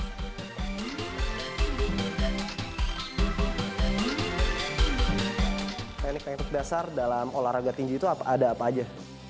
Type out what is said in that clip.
teknik teknik dasar dalam olahraga tinju itu ada apa aja